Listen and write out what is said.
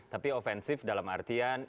tapi ofensif dalam artian